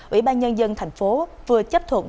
ủy ban nhân dân thành phố vừa chấp thuận